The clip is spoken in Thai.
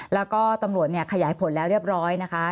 แล้วก็ตำรวจเนี่ยขยายผลแล้วเรียบร้อยนะคะ